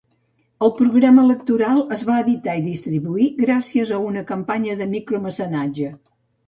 El programa electoral es va editar i distribuir gràcies a una campanya de micromecenatge.